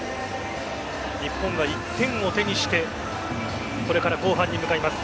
日本が１点を手にしてこれから後半に向かいます。